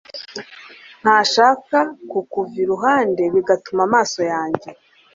ntashaka kukuva iruhande bigatuma amaso yajye